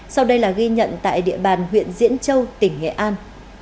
sau đây là ghi nhận tại địa bàn huyện diễn châu tỉnh nghệ an